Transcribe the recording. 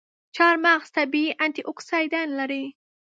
چارمغز طبیعي انټياکسیدان لري.